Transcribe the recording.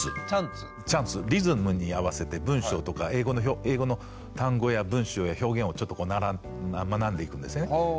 リズムに合わせて文章とか英語の単語や文章や表現をちょっとこう学んでいくんですね。